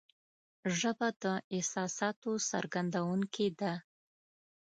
ژبه د احساساتو څرګندونکې ده